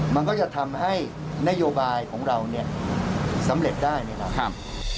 มันก็จะทำให้นโยบายของเราเนี่ยสำเร็จได้นะครับ